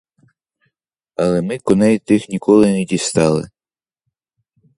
Але ми коней тих ніколи не дістали.